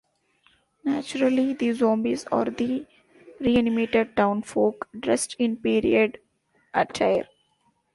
Naturally the zombies are the reanimated town folk, dressed in period attire.